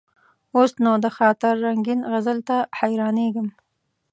اوس نو: د خاطر رنګین غزل ته حیرانېږم.